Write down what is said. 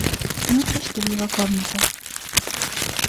Мы прошли в его комнату.